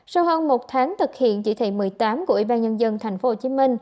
sau hơn một tháng thực hiện chỉ thị một mươi tám của ủy ban nhân dân tp hcm